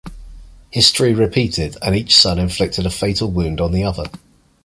History repeated, and each son inflicted a fatal wound on the other.